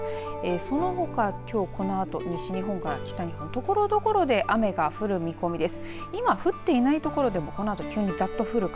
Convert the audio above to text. そのほか、きょうこのあと西日本から北日本ところどころで雨が降る見込みです。